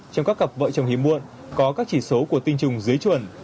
trong các cặp vợ chồng hiếm muộn có các chỉ số của tinh trùng dưới chuẩn